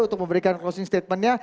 untuk memberikan closing statementnya